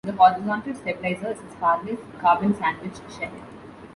The horizontal stabiliser is a sparless carbon sandwich shell.